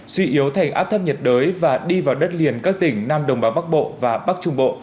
suy yếu thành áp thấp nhiệt đới và đi vào đất liền các tỉnh nam đồng bằng bắc bộ và bắc trung bộ